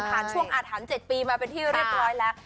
ช่วงอาถรรพ์๗ปีมาเป็นที่เรียบร้อยแล้ว